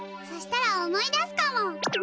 そしたら思い出すかも。